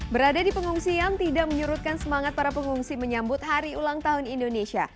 berada di pengungsian tidak menyurutkan semangat para pengungsi menyambut hari ulang tahun indonesia